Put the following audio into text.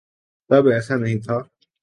تب ایسا نہیں تھا۔